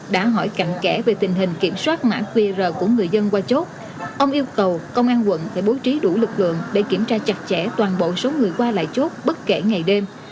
đã hỏi cạnh kể về tình hình kiểm soát mã qr của người dân qua chốt ông yêu cầu công an quận phải bố trí đủ lực lượng để kiểm tra chặt chẽ toàn bộ số người qua lại chốt bất kể ngày đêm